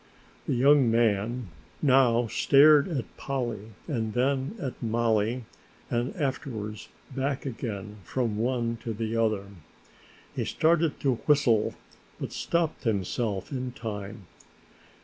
The young man now stared at Polly and then at Mollie and afterwards back again from one to the other. He started to whistle but stopped himself in time.